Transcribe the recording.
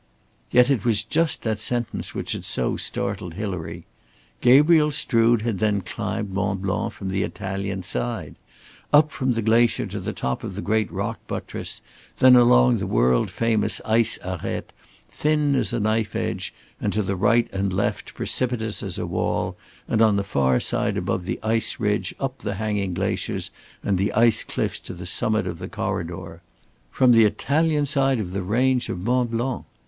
Yet it was just that sentence which had so startled Hilary. Gabriel Strood had then climbed Mont Blanc from the Italian side up from the glacier to the top of the great rock buttress, then along the world famous ice arête, thin as a knife edge, and to right and left precipitous as a wall, and on the far side above the ice ridge up the hanging glaciers and the ice cliffs to the summit of the Corridor. From the Italian side of the range of Mont Blanc!